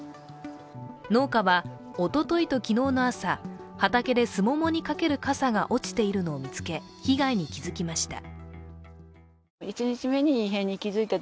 農家はおとといと、昨日の朝、畑ですももにかけるかさが落ちているのを見つけ被害に気付きました。